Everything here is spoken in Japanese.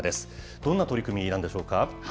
どんな取り組みなんでしょうか。